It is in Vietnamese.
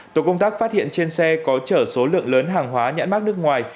tổ công tác phát hiện trên xe có chở số lượng lớn hàng hóa nhãn mát nước ngoài